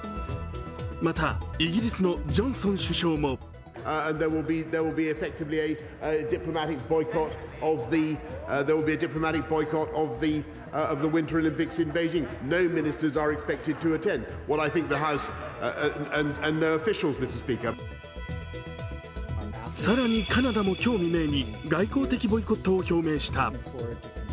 また、イギリスのジョンソン首相も更にカナダも今日未明に外交的ボイコットを表明した。